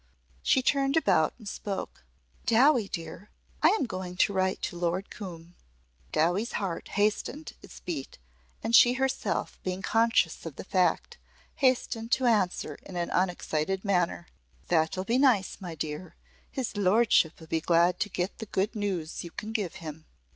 She turned about and spoke. "Dowie, dear, I am going to write to Lord Coombe." Dowie's heart hastened its beat and she herself being conscious of the fact, hastened to answer in an unexcited manner. "That'll be nice, my dear. His lordship'll be glad to get the good news you can give him."